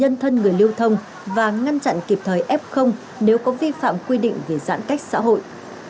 nhân thân người lưu thông và ngăn chặn kịp thời f nếu có vi phạm quy định về giãn cách xã hội